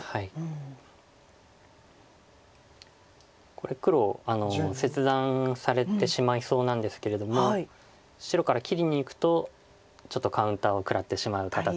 これ黒切断されてしまいそうなんですけれども白から切りにいくとちょっとカウンターを食らってしまう形。